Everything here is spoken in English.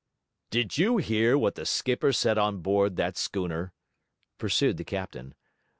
'Did you hear what the skipper said on board that schooner?' pursued the captain.